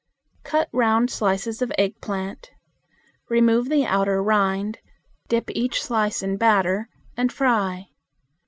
Cut round slices of eggplant. Remove the outer rind, dip each slice in batter and fry.